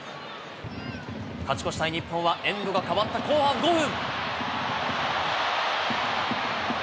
勝ち越したい日本はエンドが変わった後半５分。